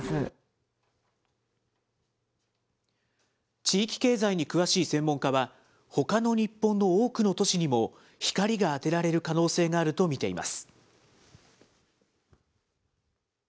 地域経済に詳しい専門家は、ほかの日本の多くの都市にも、光が当てられる可能性があると見ています。